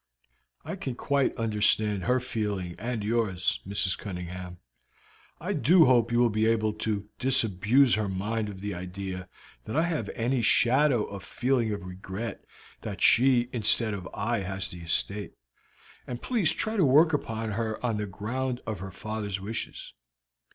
"I can quite understand her feeling and yours, Mrs. Cunningham. I do hope you will be able to disabuse her mind of the idea that I have any shadow of feeling of regret that she instead of I has the estate, and please try to work upon her on the ground of her father's wishes.